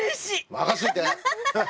任しといて！